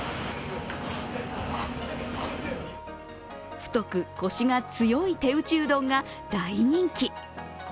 太く、こしが強い手打ちうどんが大人気。